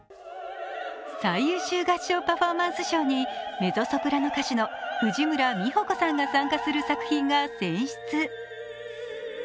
最優秀合唱パフォーマンス賞にメゾソプラノ歌手の藤村実穂子さんが参加する作品が選出。